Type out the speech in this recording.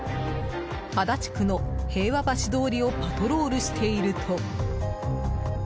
足立区の平和橋通りをパトロールしていると。